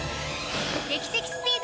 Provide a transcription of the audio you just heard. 劇的スピード！